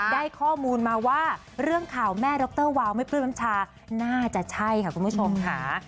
ได้ข้อมูลมาว่าเรื่องข่าวแม่ดรวาวไม่ปลื้มน้ำชาน่าจะใช่ค่ะคุณผู้ชมค่ะ